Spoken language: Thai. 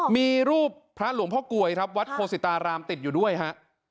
มีรูปพระหลวงพ่อกลวยครับวัดโคศิตารามติดอยู่ด้วยฮะ